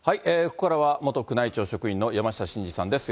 ここからは元宮内庁職員の山下晋司さんです。